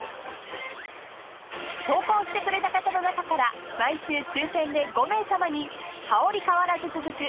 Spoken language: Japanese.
［投稿してくれた方の中から毎週抽選で５名さまに香り変わらず続く